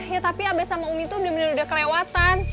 ya tapi abe sama umi tuh bener bener udah kelewatan